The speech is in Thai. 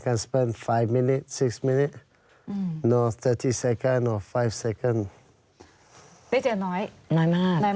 คือเป็นช่วย